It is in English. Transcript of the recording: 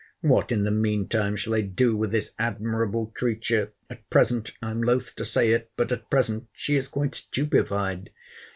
what, in the mean time, shall I do with this admirable creature? At present—[I am loth to say it—but, at present] she is quite stupified.